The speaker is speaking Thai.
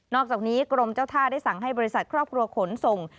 อกจากนี้กรมเจ้าท่าได้สั่งให้บริษัทครอบครัวขนส่ง